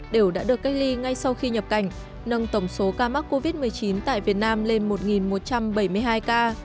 đều đã được cách ly ngay sau khi nhập cảnh nâng tổng số ca mắc covid một mươi chín tại việt nam lên một một trăm bảy mươi hai ca